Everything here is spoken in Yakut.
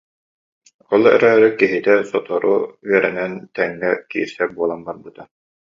Ол эрээри киһитэ сотору үөрэнэн тэҥҥэ киирсэр буолан барбыта